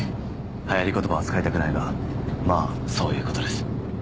はやり言葉は使いたくないがまあそういうことです